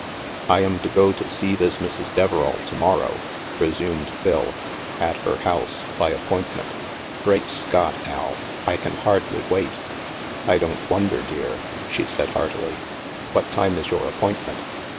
" I am to go to see this Mrs. Deverall to morrow," resumed Phil, "at her house, by appointment. Great Scott, Al, I can hardly wait." " I don't wonder, dear," she said heartily. " What time is your appointment?